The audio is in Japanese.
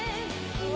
うわ！